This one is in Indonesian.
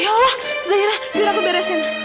ya allah zaira biar aku beresin